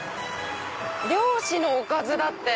「漁師のおかず」だって！